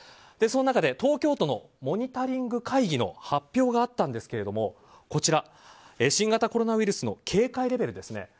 その中で東京都のモニタリング会議の発表があったんですけれども新型コロナウイルスの警戒レベルですね